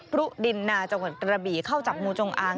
พรุดินนาจังหวัดกระบี่เข้าจับงูจงอาง